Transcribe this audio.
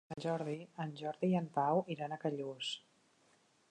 Per Sant Jordi en Jordi i en Pau iran a Callús.